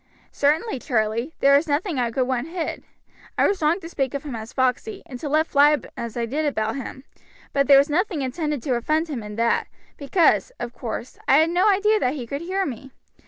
"Certainly, Charlie; there is nothing I could want hid. I was wrong to speak of him as Foxey, and to let fly as I did about him; but there was nothing intended to offend him in that, because, of course, I had no idea that he could hear me.